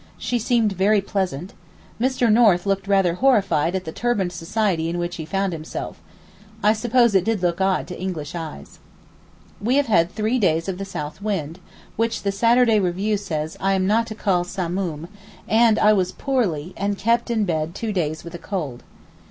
She seemed very pleasant. Mr. North looked rather horrified at the turbaned society in which he found himself. I suppose it did look odd to English eyes. We have had three days of the south wind, which the 'Saturday Review' says I am not to call Samoom; and I was poorly, and kept in bed two days with a cold.